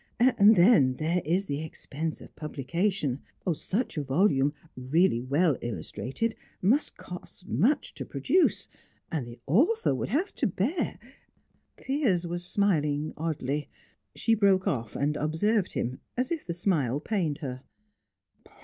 And then, there is the expense of publication. Such a volume, really well illustrated, must cost much to produce, and the author would have to bear " Piers was smiling oddly; she broke off, and observed him, as if the smile pained her.